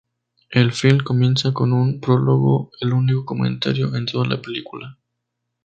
El filme comienza con un prólogo, el único comentario en toda la película.